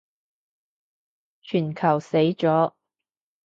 全球死咗